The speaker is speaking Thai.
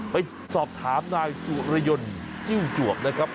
ไปสอบถามนายสุรยนต์จิ้วจวบนะครับ